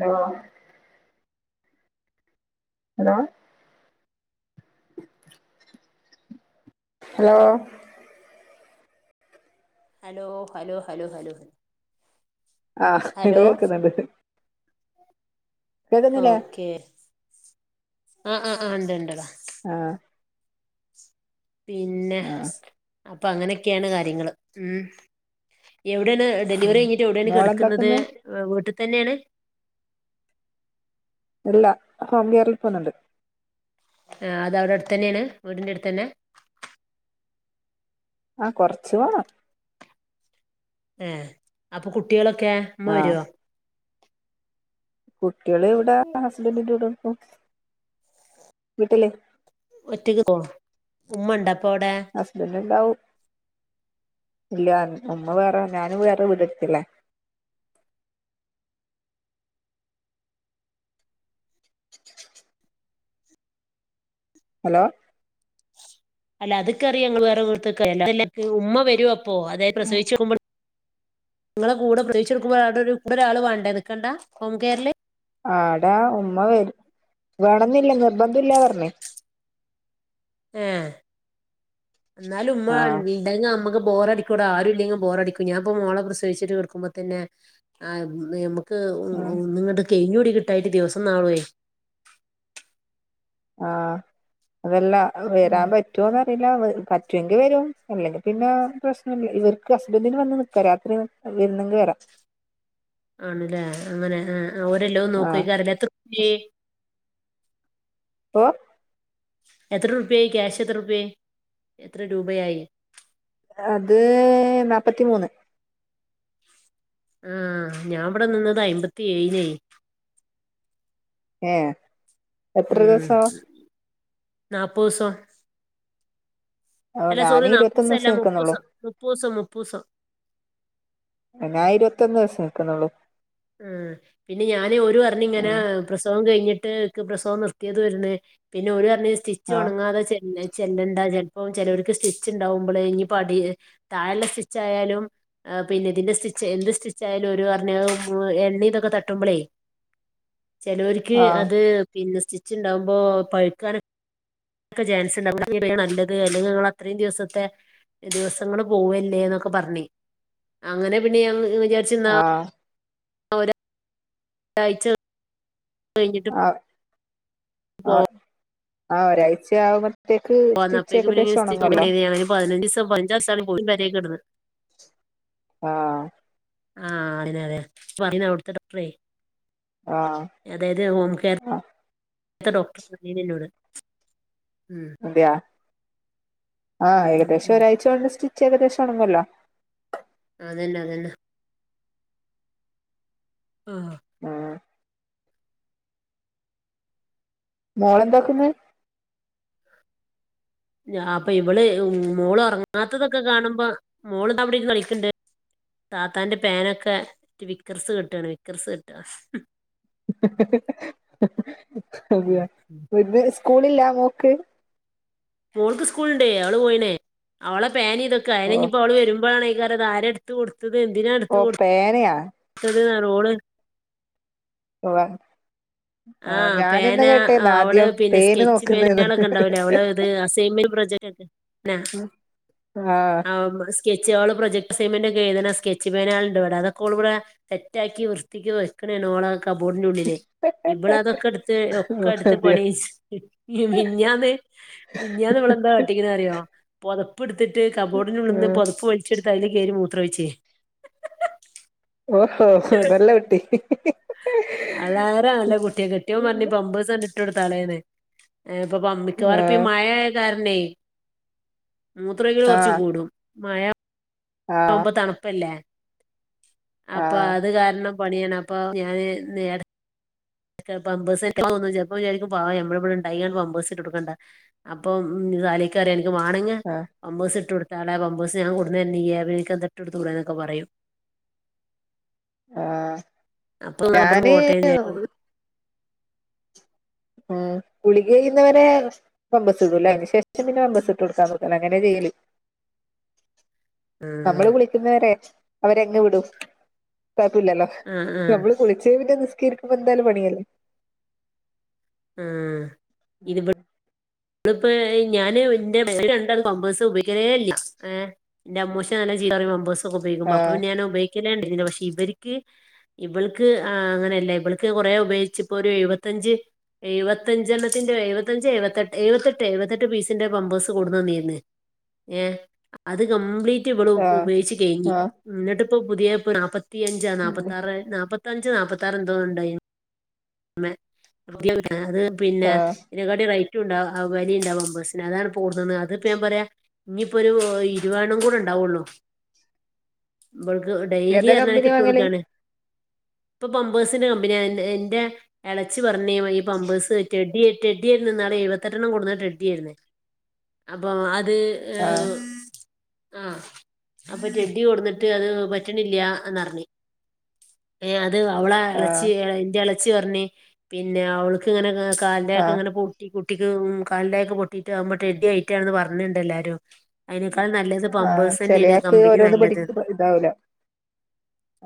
Hello... hello.. hello... hello... hello.. hello.. hello.. ആഹ്... ഇങ്ങട് hello കേക്ക്ന്ന്ണ്ട്. ഓക്കെ... ങാ.. ങാ.. ങാ.. ഉണ്ട്.. ഉണ്ട്ടാ... ആ പിന്നെ.. ആ അപ്പൊ അങ്ങനൊക്കെയാണ് കാര്യങ്ങള്.. ഉം... എവിടാണ്...? ഉം. ഡെലിവറി കഴിഞ്ഞിട്ട് എവിടാണ് കിടക്കുന്നത്... മോളെന്താക്കുന്നു വ്വീട് തന്നെയണ്..? ഇല്ല.. ഹോംകെയറിൽ പോന്നുണ്ട് ങാ... അതവിടടുത്തന്നെയാണ്...? വീടിന്റെ അടുത്ത് തന്ന..? ങാ... കൊറച്ചു പോണം. ങേ... അപ്പൊ കുട്ടികളൊക്കെ..? അമ്മ ആ വരുവോ..? കുട്ടികള് ഇവിടാ.. ഹസ്ബന്റിന്റിവിടെ നിക്കും. വീട്ടില്... ഒറ്റക്ക്ക്കുവോ..? ഉമ്മ ഉണ്ട അപ്പവിടെ...? ണ്ടാവും. ഇല്ല.. ഉമ്മ വേറെ. ഞാനും വേറെ വീടെടുത്തില്ലേ... [inaudible] ഹലോ.. അല്ല അത്ക്കറിയാം ഞങ്ങൾ വേറെ വീ [unintelligible] ഉമ്മ വരും അപ്പൊ അതായത് പ്രസവിച്ചുമ്പോ നിങ്ങളെ കൂടെ [unintelligible] ആടെ ഒരു ഒരാൾ വേണ്ടേ നിക്കണ്ടാ...? ഹോംകെയറില്... ആടാ ഉമ്മ വരും വേണെന്നില്ല നിർബന്ധല്ലാന്ന് പറ്ഞ്ഞു ഏ എന്നാലും ഉമ്മ ആ ഉണ്ടെങ്കി നമ്മക്ക് ബോറടിക്കൂടാ... ആരും ഇല്ലെങ്കി ബോറടിക്കും. ഞാനിപ്പ മോളെ പ്രസവിച്ചിട്ട് കിടക്കുമ്പോ തന്നെ ക്ക്... ഒ.. ഉ.. ഉം. ഒന്നിങ്ങട്ട് കയിഞ്ഞുടി കിട്ടായിട്ട് ദിവസം നാലായി. ആഹ് അതെല്ലാ ഉം. വരാൻ പറ്റോന്ന് [unintelligible] പറ്റുവെങ്കിൽ വരും അല്ലെങ്കിൽ പിന്നെ പ്രശ്നംല്ല ഇവർക്ക് ഹസ്ബന്ഡിന് വന്ന് നിക്ക രാത്രി വ ന്നെങ്കി വരാം ആണ്ല്ലേ അങ്ങനെ ആ ഒരെല്ലോ ആഹ് നോക്കെയ്ക്കാരലെ എത്ര [unintelligible] ഓ എത്ര ഉർപ്യയായി ക്യാഷ് എത്ര ഉർപ്യയായി എത്ര രൂപയായി അത് നാൽപ്പത്തിമൂന്ന് ആഹ് ഞാൻ ഇവിടെ നിന്നത് അയമ്പത്തിഏഴിനേയ് ഏ ഉം നാപ്പോസം ഓ അല്ല ഞാൻ സോറി ഇരുപത്തൊന്ന് നാപ്പൂസം അല്ല ദിവസം നിക്കുന്നുള്ളൂ മുപ്പൂസം മുപ്പൂസം മുപ്പൂസം ഞാൻ ഇരുപത്തൊന്ന് ദിവസം നിക്ക്ന്നുള്ളൂ ആ പിന്നെ ഞാൻ ഓരു പറഞ്ഞു ഇങ്ങനെ ആഹ് പ്രസവം കഴിഞ്ഞി ട്ട് ഇക്ക് പ്രസവം നിർത്തിയേതയ്ര്ന്ന് പിന്നെ ഓരു പറഞ്ഞ് സ്റ്റിച്ച് ആഹ് ഒണങ്ങാതെ ചെല്ല ചെല്ലണ്ടാ [unintelligible] ഇപ്പം ചെലോർക്ക് സ്റ്റിച്ച്ണ്ടാവുമ്പളെ ഇപ്പടീല് തായള്ളെ സ്റ്റിച്ചായാലും അ് പിന്നെ ഇതിന്റെ സ്റ്റി ച്ച് എന്ത് സ്റ്റിച്ച് ആയാലും ഓരു പറ്ഞ്ഞു ആ എണ്ണീം ഇതൊക്കെ തട്ടുമ്പളേ ചെലോര്ക്ക് ആഹ് അത് പിന്നെ സ് സ്റ്റിച്ച്ണ്ടാവുമ്പോ പഴുക്കാന് ഒക്കെ ചാൻസ് ഉണ്ടാവും [unintelligible] നല്ലത് അല്ലെങ്കിൽ നിങ്ങള് അത്രയും ദിവസത്തെ ദിവസങ്ങള് പോവല്ലേ എന്നൊക്കെ പറഞ്ഞെ അങ്ങനെ പിന്നെ ഞാൻ മ് വിചാരിച്ച്ന്നാ ആഹ് ഓരു രണ്ടാഴ്ച്ച കഴിഞ്ഞിട്ട് ആ പോ ആ ഒരാഴ്ചയാവുമ്പ പോന്നപ്പേക്ക് ഇവരിങ്ങനെ സ്റ്റിച്ച് [unintelligible] [unintelligible] പതിനഞ്ചീസ് [unintelligible] ഒര് പെരേകടന്ന് ആഹ് ആഹ് അതന്നെ അതെ ഇയ്യ് പറയ്ണെ അവിടുത്തെ ഡോക്ട്റെ ആഹ് അതെ അതെ ഹോം കെയർ ആഹ് ത്തെ ഡോക്ടർ പറഞ്ഞീനിനോട് അതെയാ ആഹ് ഉം ഉം ഏകദേശം ഉം ഒരാഴ്ച്ച കൊണ്ട് സ്റ്റിച്ച് ഏകദേശം ഉണങ്ങല്ലോ അതന്നെ അതന്നെ ആഹ ഉം മോളെന്താക്ക്ന്ന് ഞാൻ ഇപ്പം ഇവള് മ്... മോള് ഉറങ്ങാത്തതൊക്കെ കാണുമ്പോ മോള്താ ഇവിടിര്ന്ന് കളിക്ക്ണ്ട് താത്താന്റെ പേനൊക്കെ വിക്രസ് കാട്ടാണ് വിക്രസ് കാട്ട അതെയാ ഉം ഇന്ന് സ്കൂളില്ല മോക്ക് മോൾക്ക് സ്കൂള്ണ്ട് അവള് പോയിണ് അവളെ പേനിം ഇതൊക്കെ ഓ അയിന് ഇഞിപ്പോ ഓള് വരുമ്പഴാണ് [unintelligible] ഇത് ആരാ എടുത്ത് കൊടുത്തത് എന്തിനാ എടുത്ത് ഓ കൊടു പേനയാ ത്തത് പറയും ഓള് ഉവ്വ് ആ പേന അവള് പിന്നെ പേന് സ്കെച്ച് നോക്കുന്നന്ന് പേനാളൊക്കെണ്ടാവില്ലേ അവള് അത് അസൈൻമെൻ്റും പ്രോജക് [unintelligible] നാ ആഹ് അവൾ സ്കെച്ച് ച്ച് ഓള് പ്രൊജക്ട് അസൈൻമെൻ്റൊക്കെ എഴുത്ണ സ്കെച്ച് പേനാള്ണ്ട് ഇവിടെ അതൊക്കോൾ ഇവിടെ സെറ്റാക്കി വൃത്തിക്ക് വെക്ക്ണേണ് ഓളെ കബോടിനുള്ളില് ഇവളതൊക്കെ എടുത്ത് ഒക്കെ ഓ എടുത്ത് അതെയ പണികഴ്ച്ച് [unintelligible] മിനിഞ്ഞാന്ന് മിനിഞ്ഞാന്ന് ഓള് ന്താ കാട്ടിക്ക്ണതറിയോ പൊത പ്പ്ട്ത്തിട്ട് കബോഡിനുള്ള്ന്ന് ആഹ് പൊതപ്പ് വലിച്ചെട്ത്ത് അയ്ല് കേറി മൂത്രയ്ച്ച് ഓഹോ നല്ല കുട്ടി അളാര നല്ല കുട്ടിയാ കെട്ടിയോൻ പറഞ്ഞ് പമ്പേയ്സ് ആണ്ട് ഇട്ടൊട്ത്താളേന്ന് [unintelligible] മിക്കവാറും ഇപ്പം ഈ ആഹ് മഴയായ കാരണമേ മൂത്രം ഒഴിക്കല് കുറച്ച് ആഹ് കൂടും മഴ ആഹ് ആവുമ്പോ തണുപ്പല്ലേ അപ്പൊ ആഹ് അത് കാരണം പണിയാണ് അപ്പൊ ഞാന് നേര പാമ്പുസെറ്റ് [inaudible] ചെലപ്പോ വിചാരിക്കും [unintelligible] നമ്മടെ ഇവിടെ [unintelligible] അപ്പം സാലിക്ക് അറിയാം എനിക്ക് വേണങ്കിൽ ആഹ് [unintelligible] ഇട്ട് കൊടു തളെ പമ്പേസ് ഞാൻ കൊണ്ടുവന്നു തരുന്നില്ലേ ആ നിനക്ക് അത്‌ ഇട്ടു കൊടുത്തൂടെയൊന്നൊക്കെ എന്നൊക്കെ പറയും ആഹ് അപ്പൊ പമ്പേഴ്സ് ഞാന് പോട്ടേന്ന് വിചാരിക്കും ഒരു ഉം ഗുളിക കഴിയുന്നവരെ ബാബേസ് ഇടുമല്ലേ അതിനന് ശേഷം പിന്നെ ബാബേസ് ഇട്ടുകൊടുക്കാറൊന്നുമില്ലല്ലേ അങ്ങനെ ചെയ്യ [unintelligible] ആഹ് നമ്മള് വിളിക്കുന്നവരെ അവരങ്ങു വിടും. തപ്പില്ലല്ലോ ആഹ് ആഹ് നമ്മള് കുളിച്ചേ പിന്നെ നിസ്കീകരിക്കുമ്പോ എന്തായാലും പണിയല്ലേ ആഹ് ഇത് ഇമ്മളപ്പോ ഞാന് എന്റെ [unintelligible] രണ്ടാളും ബാബസ് ഉപയോഗിക്കുന്നില്ല ആഹ് എന്റെ അമ്മൂസ് നല്ല [unintelligible] പബാസ് ഒക്കെ ഉപയോഗിക്കുമ്പോ അപ്പം ആഹ് പിന്നെ ഞാനെ [unintelligible] പക്ഷെ ഇവർക്ക് ഇവൾക്ക് അങ്ങനെയല്ല ഇവൾക്ക് കുറേ ഉപയോഗിച്ച് ഇപ്പൊ ഒരു ഏഴു പഞ്ച് എഴുപതഞ്ച് എണ്ണതിന്റെ എഴുപത്തഞ്ച്, എഴുപത്എട്ട് എഴുപത്തെട്ട് എഴുപത്തെട്ട് പീസിന്റെ പമ്പേഴ്സ് കൊണ്ടുതന്നിന്ന് ഏഹ് അത് കംപ്ലീറ്റ് റ്റ് ഇവള് ആഹ് ഉപയോഗിച്ച് കേറ്റി ആഹ് എന്നിട്ടിപ്പൊ പുതിയ നാപ്പത്തിയഞ്ചോ, നാപ്പത്തിയറോ, നാപ്പ ത്തഞ്ച് നാപ്പത്താറ് എന്തോ ഉണ്ടായി മേ [inaudible] അത് പിന്നെ ആഹ് ഇതിനേക്കാട്ടി റൈ ട്ടുണ്ടാ അവര് ടെ ബാബേസിനെ അതാണ് [unintelligible] അത്‌ ഇപ്പം ഞാൻ പറയാം ഇനിയിപ്പോ ഇരുപത്തു ഒരു കൂടെ ഉണ്ടാവും അവൊള്ളൂ [unintelligible] ഇവൾക്ക് ഡെയിലി ഏതാ കമ്പനി അറുന്നോര്ക്കിട്ട് വാങ്ങല് കൊടുക്കാണ് ഇപ്പൊ പമ്പേഴ്സിന്റെ കമ്പനിയ എന്റെ ഇളച്ചി പറഞ്ഞേ ഈ പമ്പേഴ്സ് റ്റേഡ്‌ഡിയാ റ്റേഡ്‌ഡി എന്ന്ന്നാണ് എഴുപത്തെട്ടണ്ണം കൊടുന്നാ റ്റേഡ്‌ഡി ഇടുന്നെ അപ്പൊ അത് ആഹ് ഈഹ് ആഹ് അപ്പൊ റ്റേഡ്‌ഡി കൊടുന്നിട്ട് അത് പറ്റണില്ല എന്നറിഞ്ഞി ഏഹ് അത് അവളെ ഇളച്ചി ആഹ് എന്റെ ഇളച്ചി പറഞ്ഞ് പിന്നെ അവൾക്ക് ഇങ്ങനെ കാലിലെക്കെ ആഹ് ഇങ്ങനെ പൊട്ടി കുട്ടിക്ക് ഉം കാലിലെക്കെ പൊട്ടിട്ട് ആകുമ്പ റ്റേഡ്‌ഡി ആയിട്ടാണന്ന് പറഞ്ഞിണ്ട് എല്ലാരും അതിനേക്കാൾ നല്ലത് ആഹ് പമ്പേഴ്സ് തന്നെയാണ് ചെലയാക്ക് കമ്പനി ഓരോന്ന് നല്ലത് പിടിക്ക ഇതാവൂല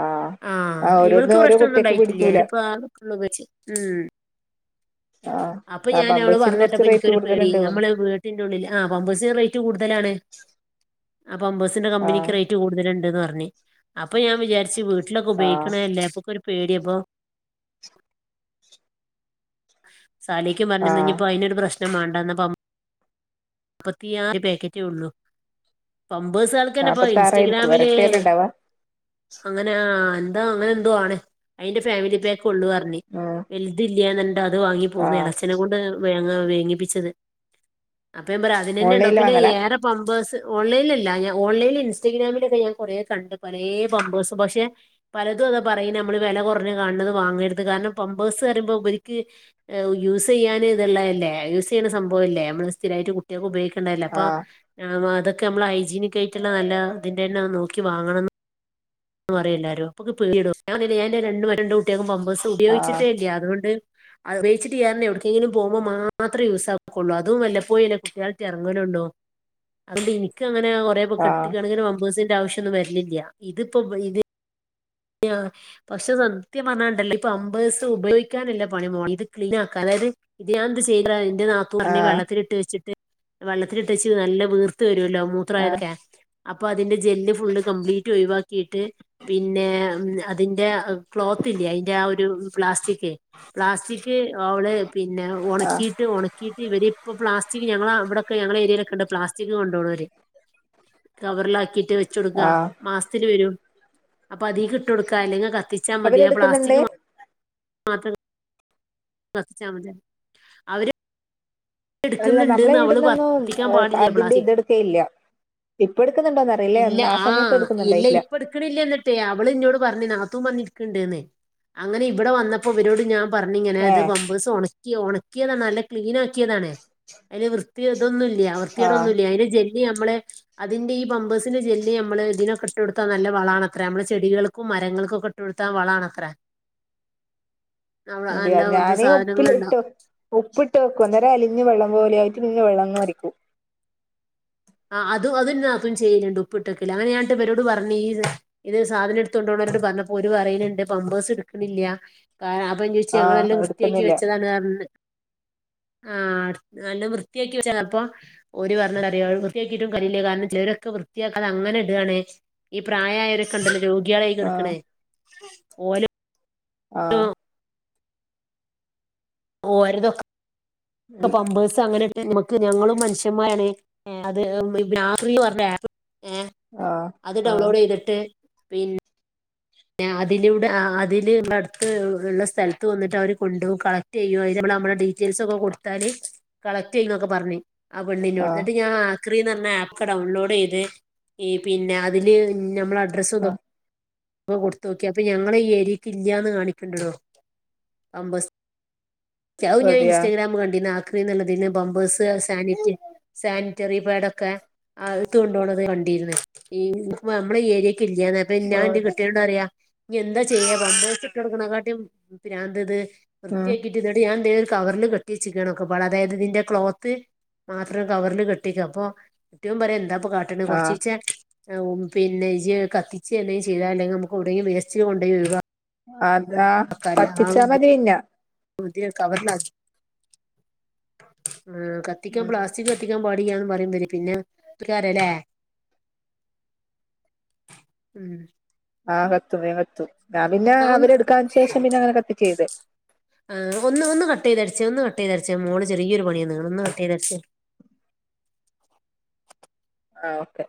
ആഹ് ആഹ് ഓരോന്ന് ഇവൾക്ക് ഓരോ കുട്ടിയക്ക് പ്രേശ്നൊന്നുംണ്ടായിട്ടില്ലേ പിടിക്കൂല ഇപ്പാ [unintelligible] ഉം ആഹ് അപ്പൊ ആഹ് ഞാൻ അവള് ബമ്പേഴ്സിന് കുറച്ച് പറഞ്ഞിട്ടപ്പോ റേറ്റ് എനിക്കൊരു പേടി കൂടുതലുണ്ട് തോന്നുന്നു നമ്മള് വീട്ടിന്റെ ഉള്ളിൽ ആഹ് പമ്പേഴ്‌സിന് റേറ്റ് കൂടുത ലാണ് ആഹ് പാമ്പേഴ്സിന്റെ കമ്പനിക്ക് ആഹ് റേറ്റ് കൂടുതലുണ്ട്ന്ന് പ റഞ്ഞ് അപ്പൊ ഞാൻ വിചാരിച്ചു വീട്ടിലൊക്കെ ആഹ് ഉപയോഗിക്കണയല്ലേ അപ്പക്ക് ഒരു പേടിയപ്പൊ സാലയ്ക്കും പറഞ്ഞന്ന് ആഹ് ഇനിപ്പോ അതിനൊരു പ്രശ് നം വേണ്ടെന്നപ്പം മുപ്പത്തിയാറ് പാക്കറ്റേ ഉള്ളൂ പമ്പേസ് ആൾക്കന്നെ ഇപ്പൊ നാപ്പത്താറായിരിക്കും ഇൻസ്റ്റഗ്രാമില് വരട്ടിയല്ലേ ഉണ്ടാവാ അങ്ങനെ ആഹ് എന്താ അങ്ങനെ എന്തോ ആണ് അയിന്റെ ഫാമിലി പാക്ക് ഉള്ളു പറഞ്ഞ് ഉം വലുതി ല്ല്യാന്ന്ണ്ട് അത് വാങ്ങി പോന്ന് ആഹ് ഇളച്ചനെ കൊണ്ട് വേങ്ങ വേങ്ങിപ്പിച്ചത് അപ്പ ഞാൻ പറ അതിനന്നെ ഉണ്ടാവും ഓൺലൈനിൽ പിന്നെ വാങ്ങലാ ഏറെ പമ്പേഴ്സ് ഓൺലൈലില്ല ഞാൻ ഓൺലൈൽ ഇൻസ്റ്റഗ്രാമിലൊക്കെ ഞാൻ കുറേ കണ്ട് പലേ പമ്പേഴ്സ് പക്ഷെ പലതും [unintelligible] പറയും നമ്മള് വില കുറഞ്ഞ് കൺണ് വാങ്ങരുത് കാരണം പമ്പേഴ്സ് പറയുമ്പോ ഇവരിക്ക് ഈഹ് യൂസെയ്യന്ന്നുള്ളയല്ലേ യൂസ് ചെയ്യണ സംഭ മ്പോലെ നമ്മള് സ്ഥിരായിറ്റ് കുട്ടിയൾക്ക് ഉപയോഗ ക്കെ ഇണ്ടായിലെ അപ്പ ആഹ് അതെക്കെ അമ്മള് ഹൈജീനിക് ആയിട്ടുള്ള നല്ല ഇതിന്റെന്നെ നോക്കി വാങ്ങണംന്ന് പറി യില്ലാരോ അപ്പൊ ഞ ര രണ്ട് കുട്ടികൊക്കും പാമ്പേഴ്സ് ആഹ് ഉപയോഗിച്ചിട്ടല്ലേ അതുകൊണ്ട് അത് പേയ്ച്ച്ട്ട് യാര്ണെ ഒട്ക്കെങ്കിലും പോകുമ്പോ മാത്രം യൂസാക്കുകുള്ളു അതും വല്ലപ്പോയി അല്ലേ കുട്ട്യേളെട്ട് എറങ്ങ്ണാണ്ട് ടോ അതോണ്ട് എനിക്കങ് കുറേ ആഹ് കെട്ടിക്കണക്കിന് വമ്പേഴസിന്റെ ആവശ്യൊന്നും വരലില്ല്യ ഇതിപ്പോ ഇത് [unintelligible] പക്ഷെ സത്യം പറഞ്ഞണ്ടല്ല് ഈ പമ്പേഴസ് ഉപയോഗിക്കാനില്ല പണിമോൾ ഇത് ക്ലീൻ ആക്കാ അത് ഇത് ഞാ എന്ത് ചെയ്താ [unintelligible] എന്റെ നാത്തു അറ്ഞ് ആഹ് വെള്ളത്തിലി ട്ട് വെച്ചിട്ട് വെള്ളത്തിലിട്ട് വെച്ച് നല്ല വീർത്ത് വ ഇല്ല ആഹ് മൂത്രായൊതക്കെ എഹ് അപ്പ അതിന്റെ ജെല് ഫുള്ള് കപ്ലീറ്റ് ഒഴിവാക്കിട്ട് പിന്നെ അതിന്റെ ക്ലോത്ത്ല്ലെ അയ്ന്റെ ആഹ് ഒരു പ്ലാസ്റ്റിക് ക്കെ പ്ലാസ്റ്റിക് അവള് പിന്നെ ആഹ് ഒണക്കീട്ട് ഒണക്കീട്ട് ഇവര് പ്ലാസ്റ്റിക് ഞങ്ങള ഇവടെ ഞങ്ങളെ ഏര്യലൊക്കെണ്ട് പ്ലസ്റ്റി കൊണ്ടോണൊര് കവറിലാക്കിട്ട് വെച്ച് കൊടുക്ക ആഹ് മാസത്തിൽ വെരും അപ്പൊ അ ഇട്ട് കൊടുക്ക അല്ലെങ്കിൽ കത്തിച്ചാ മതിയാ ആപ്ലാസ്റ്റിക് അവരെടുക്കുന്നുണ്ട് മാ മാത് [unintelligible] കത്തിച്ചാമതി അവര് അല്ല നമ്മളെ ഈടുന്നൊന്നും കത്തിക്കാൻ പാടില്ല അതിന്റെ പ്ലാസ്റ്റിക് ഇത് എടുക്കേയ്ല്ല ഇല്ല ആഹ് ഇല്ല എടുക്കുന്നുണ്ടായില്ല ഇപ്പ ഇട്ക്ക്ണ്ല്ലന്നെട്ടേ അവള് ഇന്നോട് പറഞ് നാത്തൂൻ പറഞ്ഞ് ഇട്ക്ക്ണ്ടേന്നേ അങ്ങനെ ഇവിടെ വന്നപ്പോ ഇവെരോട് ഞാൻ പറഞ്ഞ് ഇങ്ങനേത് ഏഹ് പമ്പേഴ്സ് ഒണക്കി ഒണക്ക് ക്കിയത നല്ല ക്ലീൻ ആക്കിയതാണ് അയ്ല് വൃത്തിയ ഇതൊന്നുല്ല ആ വൃത്തിയടൊന്നുല്ല അയ്ന്റെ ജെല്ല് ഇത് ഞമ്മളെ അതിന്റെ ഈപ് പമ്പേഴ്സ്ന്റെ ജെല്ല് അമ്മള് ഇതിനൊക്കെ ഇട്ട് കൊടുത്താ നല്ല വളാണത്രെ അമ്മള് ചെടികൾക്കും മരങ്ങൾക്കൊക്കെ ഇട്ടടുത്ത വളാ അകര അതെയതെ ഇത് ഞാനേ ഉപ്പിലിട്ടു സാധനങ്ങളുണ്ടാവും ഉപ്പിട്ട് വെക്കും അന്നേരം അലിഞ് വെള്ളം പോലെ ആയിട്ട് പിന്നെ വെള്ളംങ്ങ അരിക്കും ആഹ് അതും അതും ഇന്റെ നാത്തൂൻ ചെയല്ണ്ട് ഉപ്പിട്ടെക്കല് അങ്ങനെയട്ട് ഇവരോട് പറഞ് ഈ ഇത് സാധന ഇട്ത്തോണ്ടോ പറന്നപോ ഓര് പറയണ് ണ്ട് പമ്പേഴ്സ് ഇട്ക്ക്ണില്ല കാരണം അപ്പം ചോയ്ച്ച് ആ ഞങ്ങളെല്ലാം വൃത്തിയാക്കി എടുക്കുന്നില്ല വെച്ചതാണ് അറ്ഞ് ആഹ് നല്ല വൃത്തിയാക്കി വെച്ച [unintelligible] അപ്പോ ഓര് പറഞ്ഞെ എന്താഅറ്യോ വൃത്തിയാക്കിയിട്ടും കാര്യല്ല കാരണം ചെ ക്കെ വൃത്തിയാക്കാതെ അങ്ങനെ ഇടാണ് ഈ പ്രായൊരൊക്കെണ്ടല്ലൊ കുട്ട്യാളായി കെട്ക്ക്ണേ ഓല ആഹ് ഓരതൊക്ക് ഉം, പമ്പേഴ് അങ്ങനെ നമക്ക് ഞങ്ങളും മനുഷ്യന്മാരണ് അത് രാത്രി പറഞ്ഞ ഏഹ് ആ അത് ആ ഡൗൺലോഡ് ചെയ്തിട്ട് പിന്നെ എഹ് അതിലൂടെ ആഹ് അതില് അട്ത്ത് ഹ്ള്ള സ്ഥൽത്ത് വന്നിട്ട് അവര് കൊണ്ടോഉം കളക്ട് ചെയ്യ നമ്മുടെ ഡീറ്റെൽസൊക്കെ കൊടുത്താല് കളക്ട് ചെയ്യൊന്നൊക്കെ പറഞ് ആഹ് പെണ്ണ് ആ ഇനോട് എന്നിട്ട് ഞാൻ ക്രി ന്ന പറ്ഞ്ഞ ആപ്പ് ഡൗൺലോഡ് ചെയ്ത് ഇ പിന്നെ അതില് ഞമ്മളെ അഡ്രസ്സ് ആ അപ്പ കൊട്ത്തോക്കി അപ്പൊ ഞങ്ങളെ ഈ ഏരീക്ക് ഇല്ലാന്ന് കാണിക്കേണ്ടടോ അമ്പസ് ച ഔ ഞാൻ അതെയാ ഇൻസ്റ്റഗ്രാം കണ്ടിനു ക്രി ന്ന്ള്ള ഇതിന് ബമ്പേഴ്സ് സാനിറ്റ് സാനിറ്ററി പേഡൊക്കെ അഹ്ട്ത്തൊ കൊണ്ടോണത് കണ്ട് [unintelligible] ഈ [unintelligible] നമ്മളെ ഈ ഏര്യയ്ക്ക ഇല്ലാന്ന് [unintelligible] അപ്പൊ ഇ ഓ ഇയ ഇഞ്ഞ് എന്താ ചെയ്യാ പമ്പേഴ്സ് ഇട്ടടുക്ക്ണക്കാട്ടിം പിരാന്ത് ഇത് ഉം വൃത്തീക്കിട്ട് ഇന്നട്ട് ഞാൻ എന്തയ്ഒരു കവറ്ല് കെട്ട്യച്ചിക്ക്ണ് ഒക്കെപ്പാടെ അതായത് ഇതിന്റെ ക്ലോത്ത് മാത്രം കവറ്ല് കെട്ട്യക്ക അപ്പൊ കെട്ട്യോ പറിംഎന്താ എത്താപ്പം കാട്ട്ണെ ഹ് ആ കൊറ്ച്ചീച്ചെ പിന്നെ ഇജ് കത്തിച്ചെ എന്തെയ് ചെയ്ത നമുക്ക് ഔടെയും വേസ്റ്റ്ല് കൊണ്ടേയി ഒയ്വാ അതാ പത്തിച്ചാ മതീന്ന് [unintelligible] ത്യേ കവറ്ലാക്കി ഉം ക്കത്തിക്കാ ഉം പ്ലാസ്റ്റിക് കത്തിക്കാൻ പടിയന്ന് പറയുമ്പ പിന്നെക്കാരല്ലേ ഉം ആഹ് കത്തും വേം കത്തും ഞാൻ പിന്നെ ആഹ് ഒന്ന് അവരെടുക്കാന് ശേഷം പിന്നെ അങ്ങനെ കത്തിക്കയ്തെ ആഹ് ഒന്ന് ഒന്ന്കട്ട് ചെയ്തട്ച്ചേ ഒന്ന് കട്ട് അട്ടേ തർച്ച മോള് ചെറീയൊരു പണിയന്ന്ണ അട്ടേ തർച്ച ആ ഓക്കെ